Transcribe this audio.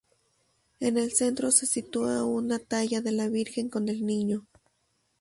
En el centro se sitúa una talla de la Virgen con el Niño.